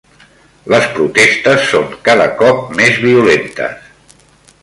Les protestes són cada cop més violentes